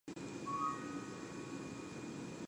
A bone marrow examination is required for diagnosis.